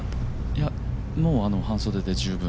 いや、もう半袖で十分。